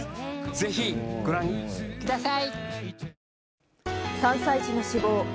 ぜひご覧ください！